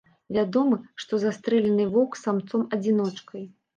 Вядома, што застрэлены воўк самцом-адзіночкай.